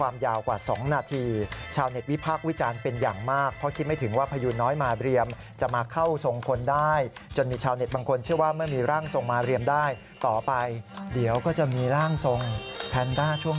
มาเรียมได้ต่อไปเดี๋ยวก็จะมีร่างทรงแพนด้าช่วง